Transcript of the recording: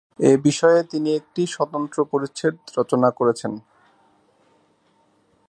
এ বিষয়ে তিনি একটি স্বতন্ত্র পরিচ্ছেদ রচনা করেছেন।